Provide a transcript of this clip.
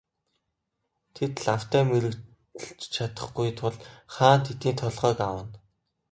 Тэд лавтай мэргэлж чадахгүй тул хаан тэдний толгойг авна.